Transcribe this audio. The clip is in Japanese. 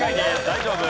大丈夫。